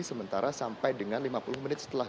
sementara sampai dengan lima puluh menit setelah